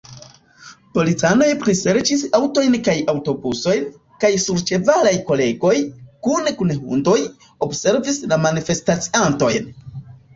Policanoj priserĉis aŭtojn kaj aŭtobusojn, kaj surĉevalaj kolegoj, kune kun hundoj, observis la manifestaciantojn.